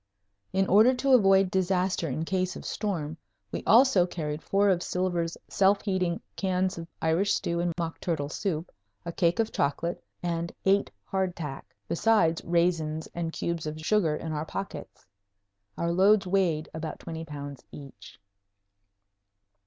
In order to avoid disaster in case of storm, we also carried four of Silver's self heating cans of Irish stew and mock turtle soup, a cake of chocolate, and eight hard tack, besides raisins and cubes of sugar in our pockets. Our loads weighed about twenty pounds each.